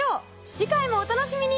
次回もお楽しみに！